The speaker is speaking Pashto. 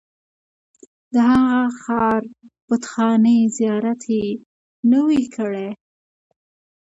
د هغه ښار بتخانې زیارت یې نه وي کړی.